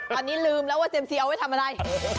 ตอนนี้ลืมแล้วว่าเซียมซีเอาไว้ทำอะไร